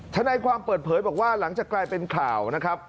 ทนายความเปิดเผยบอกว่าหลังจากกลายเป็นข่าวนะครับ